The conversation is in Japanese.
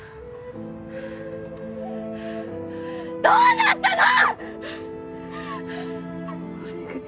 どうなったの！